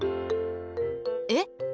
えっ！